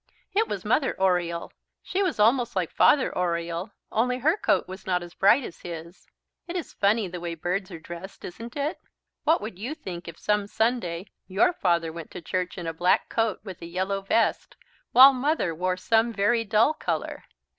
It was Mother Oriole. She was almost like Father Oriole, only her coat was not as bright as his. It is funny the way birds are dressed, isn't it? What would you think if some Sunday your Father went to church in a black coat with a yellow vest, while Mother wore some very dull colour?